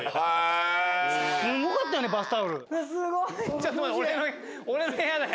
ちょっと待って。